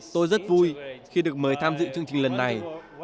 tôi rất vui khi được mời tham dự chương trình lần này